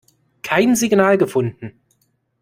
Kein Signal gefunden.